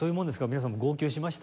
皆さんも号泣しました？